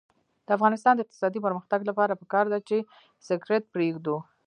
د افغانستان د اقتصادي پرمختګ لپاره پکار ده چې سګرټ پریږدو.